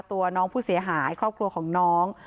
ตัวน้องผู้เสียหายครอบครัวของน้อง